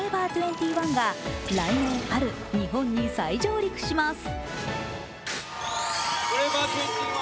２１が来年春、日本に再上陸します。